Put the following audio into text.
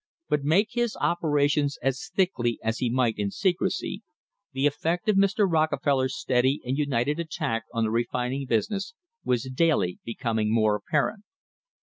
But make his operations as thickly as he might in secrecy, the effect of Mr. Rockefeller's steady and united attack on the refining business was daily becoming more apparent.